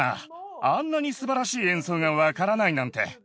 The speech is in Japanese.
あんなにすばらしい演奏が分からないなんて。